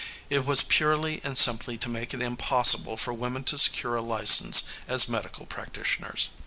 It was purely and simply to make it impossible for women to secure a license as medical practitioners.